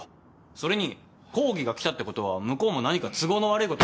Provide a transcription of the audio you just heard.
それに抗議が来たってことは向こうも何か都合の悪いことがあるって。